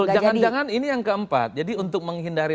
jangan jangan ini yang keempat jadi untuk menghindari